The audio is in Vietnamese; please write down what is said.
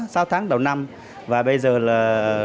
sau tháng đầu năm và bây giờ là